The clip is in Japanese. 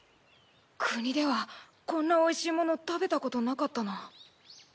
国ではこんなおいしい物食べたことなかったな。